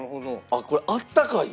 あっこれあったかい。